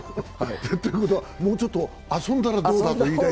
ということは、もうちょっと遊んだらどうだと言いたい？